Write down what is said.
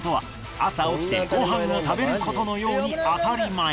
朝起きてご飯を食べることのように当たり前。